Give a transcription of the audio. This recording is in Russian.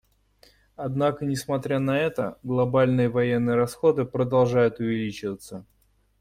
Однако несмотря на это, глобальные военные расходы продолжают увеличиваться.